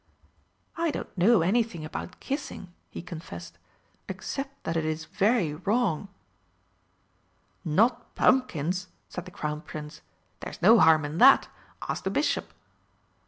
"I do not know anything about kissing," he confessed, "except that it is very wrong." "Not pumpkins," said the Crown Prince. "There's no harm in that! Ask the bishop!"